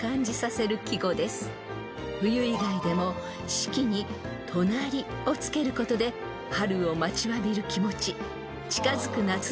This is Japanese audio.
［冬以外でも四季に「隣」を付けることで春を待ちわびる気持ち近づく夏の期待感